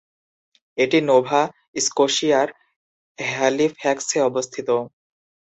এটি নোভা স্কোশিয়ার হ্যালিফ্যাক্সে অবস্থিত।